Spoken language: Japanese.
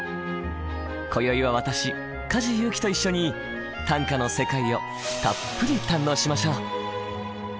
今宵は私梶裕貴と一緒に短歌の世界をたっぷり堪能しましょう。